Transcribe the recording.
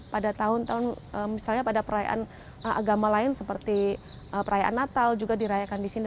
pada tahun tahun misalnya pada perayaan agama lain seperti perayaan natal juga dirayakan di sini